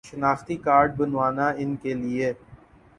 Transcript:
شناختی کارڈ بنوانا ان کے لیے